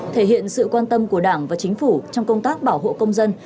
thể hiện sự quan tâm của đảng và chính phủ trong công tác bảo hộ công dân